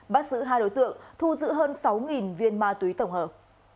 bắt giữ hai đối tượng thu giữ hơn sáu viên ma túy tổng hợp